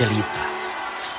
dan mereka berjalan dengan jelita